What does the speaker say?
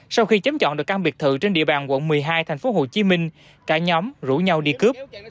sau khi chấm chọn được căn biệt thự trên địa bàn quận một mươi hai tp hcm cả nhóm rủ nhau đi cướp